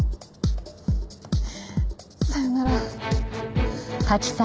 さよなら。